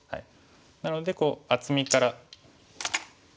なのでこう厚みから。